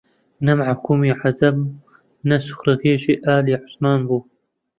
نە مەحکوومی عەجەم نە سوخرەکێشی ئالی عوسمان بوو